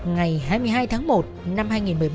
ngày hai mươi hai tháng một năm hai nghìn một mươi bảy